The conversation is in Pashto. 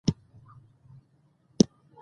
قانون د بې عدالتۍ مخه نیسي